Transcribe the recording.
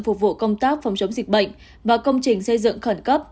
phục vụ công tác phòng chống dịch bệnh và công trình xây dựng khẩn cấp